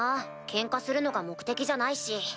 ケンカするのが目的じゃないし。